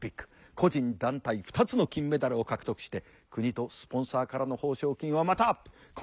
個人団体２つの金メダルを獲得して国とスポンサーからの報奨金はまた今度は５，０００万円が贈られた。